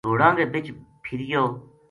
گھوڑاں کے بِچ پھریو